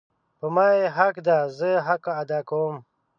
په ما یی حق ده زه حق ادا کوم